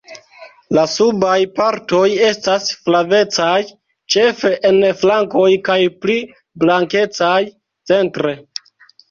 La subaj partoj estas flavecaj ĉefe en flankoj kaj pli blankecaj centre.